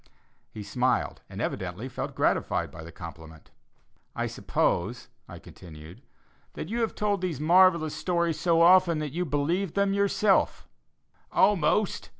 He smiled, and evidently felt gratified by the compliment. "I suppose," I continued, "that you have told these marvellous stories so often, that you believe them yourself?" "Almost!"